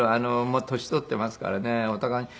もう年取っていますからねお互いに。